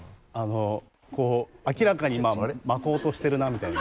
こう明らかに巻こうとしてるなみたいな。